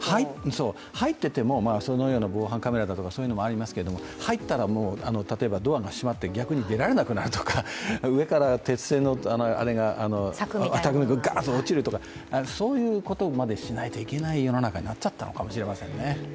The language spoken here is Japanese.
入ってても防犯カメラなんかもそうですけど入ったら、例えばドアが閉まって、逆に出られなくなるとか上から鉄製の柵がガーッと落ちるとかそういうことまでしないといけない世の中になっちゃったのかもしれませんね。